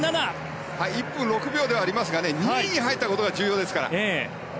１分６秒ではありますが２位に入ったことが重要ですから。